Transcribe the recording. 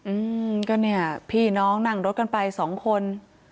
อืมก็เนี่ยพี่น้องนั่งรถกันไปสองคน